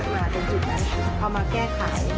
หรือว่าเอาสิ่งที่เป็นปัญหาในปัจจุบันนะคะที่เราถือภาคมาจนจุดนั้น